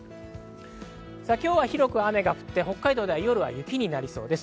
今日は広く雨が降って、北海道では夜は雪になりそうです。